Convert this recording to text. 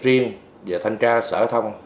riêng về thanh tra sở thông